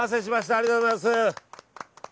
ありがとうございます。